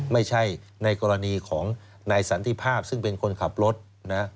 ไม่ใช่ในกรณีของนายสันติภาพซึ่งเป็นคนขับรถนะครับ